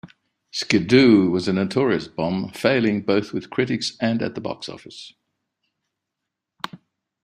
"Skidoo" was a notorious bomb, failing both with critics and at the box office.